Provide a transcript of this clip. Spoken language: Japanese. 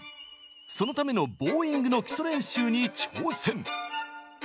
そのためのボウイングの基礎練習に挑戦！